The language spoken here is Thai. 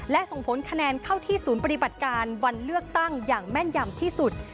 และส่งผลคะแนนเข้าที่ศูนย์ปฏิบัติการวันเลือกตั้งอย่างแม่นยำที่สุด